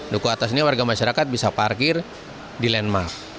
duku atas ini warga masyarakat bisa parkir di landmark